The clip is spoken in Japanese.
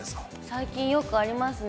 最近よくありますね。